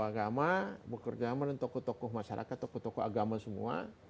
agama bekerja sama dengan tokoh tokoh masyarakat tokoh tokoh agama semua